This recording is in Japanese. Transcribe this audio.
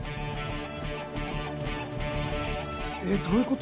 えっどういうこと？